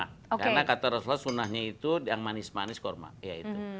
karena kata rasulullah sunnahnya itu yang manis manis korma ya itu